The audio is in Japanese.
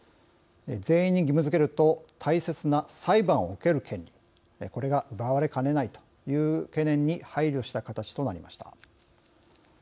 全員に義務づけると大切な裁判を受ける権利、これが奪われかねないという懸念に配慮した形となりました。